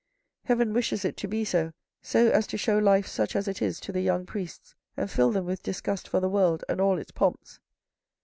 Heaven wishes it to be so, so as to show life such as it is to the young priests, and fill them with disgust for the world and all its pomps."